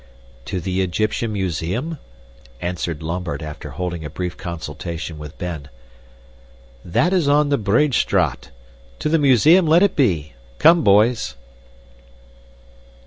"To the Egyptian Museum?" answered Lambert after holding a brief consultation with Ben. "That is on the Breedstraat. To the museum let it be. Come, boys!"